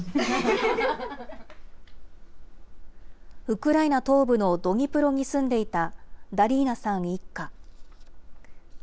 ウクライナ東部のドニプロに住んでいたダリーナさん一家。